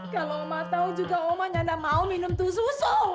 kalau mama tahu juga mama nggak mau minum tuh susu